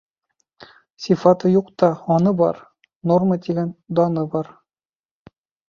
Сифаты юҡ та, һаны бар, норма тигән даны бар.